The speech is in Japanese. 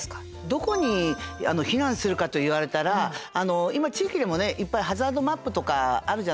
どこに避難するかと言われたら今地域でもねいっぱいハザードマップとかあるじゃないですか。